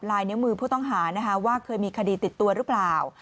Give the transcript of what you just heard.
ลายเนื้อมือผู้ต้องหาว่าเคยมีคดีติดตัวรึเปล่า